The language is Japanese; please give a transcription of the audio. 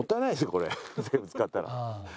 これ全部使ったら。